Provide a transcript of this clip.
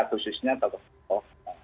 khususnya tokoh tokoh agama